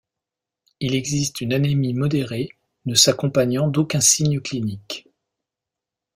Il existe une anémie modérée ne s'accompagnant d'aucun signe clinique.